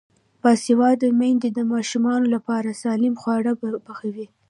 باسواده میندې د ماشومانو لپاره سالم خواړه پخوي.